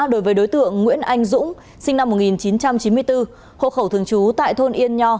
đối với đối tượng nguyễn anh dũng sinh năm một nghìn chín trăm chín mươi bốn hộ khẩu thường trú tại thôn yên nho